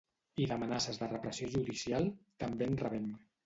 I d’amenaces de repressió judicial, també en rebem.